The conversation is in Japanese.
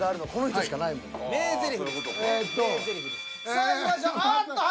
さあいきましょう。